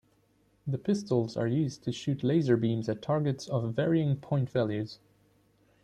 The pistols are used to shoot laser beams at targets of varying point values.